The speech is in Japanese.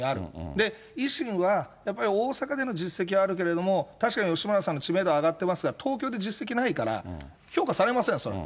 で、維新はやっぱり、大阪での実績はあるけれども、確かに吉村さんの知名度上がってますが、東京で実績ないから、評価されません、それは。